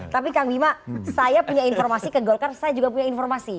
tapi kang bima saya punya informasi ke golkar saya juga punya informasi